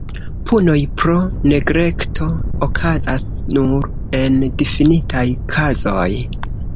Punoj pro neglekto okazas nur en difinitaj kazoj.